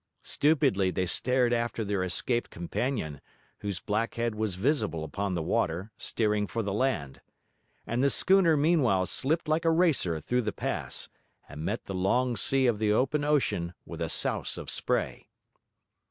Stupidly they stared after their escaped companion, whose black head was visible upon the water, steering for the land. And the schooner meanwhile slipt like a racer through the pass, and met the long sea of the open ocean with a souse of spray.